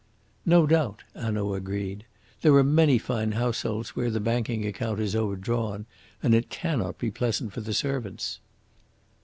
"No doubt," Hanaud agreed. "There are many fine households where the banking account is overdrawn, and it cannot be pleasant for the servants."